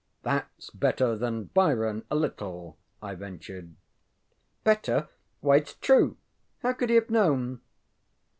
ŌĆ£ThatŌĆÖs better than Byron, a little, ŌĆØ I ventured. ŌĆ£Better? Why itŌĆÖs true! How could he have known?